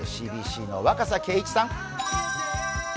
ＣＢＣの若狭敬一さん。